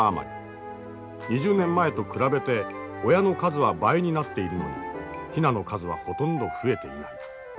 ２０年前と比べて親の数は倍になっているのにヒナの数はほとんど増えていない。